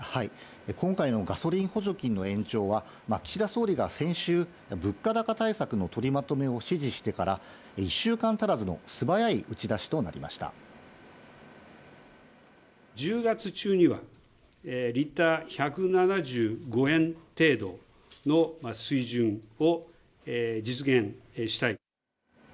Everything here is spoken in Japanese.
今回のガソリン補助金の延長は、岸田総理が先週、物価高対策の取りまとめを指示してから１週間足らずの素早い打ち１０月中には、リッター１７５円程度の水準を実現したい。